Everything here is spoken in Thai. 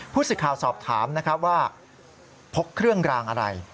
สิทธิ์ข่าวสอบถามนะครับว่าพกเครื่องรางอะไร